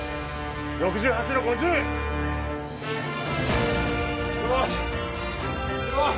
６８の５０よし！